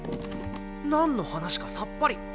何の話かさっぱり。